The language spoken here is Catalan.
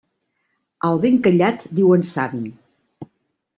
Al ben callat diuen savi.